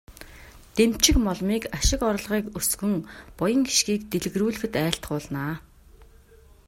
Дэмчигмоломыг ашиг орлогыг өсгөн, буян хишгийг дэлгэрүүлэхэд айлтгуулна.